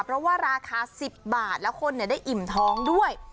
เพราะว่าราคา๑๐บาทแล้วคนได้อิ่มท้องด้วย